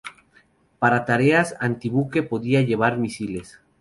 Para tareas antibuque podía llevar misiles.